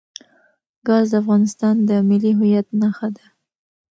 ګاز د افغانستان د ملي هویت نښه ده.